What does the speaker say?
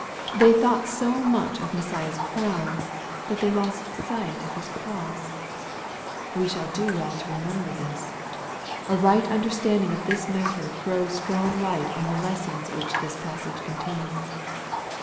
They thought so much of Messiah's crown, that they lost sight of His cross. We shall do well to remember this. A right understand ing of this naatter throws strong Ught on the lessons which this passage contains.